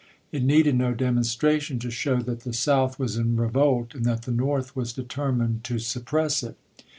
It needed no demonstra tion to show that the South was in revolt, and that the North was determined to suppress it.